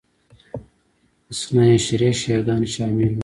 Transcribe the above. اثناعشري شیعه ګان شامل وو